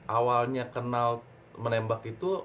awalnya kenal menembak itu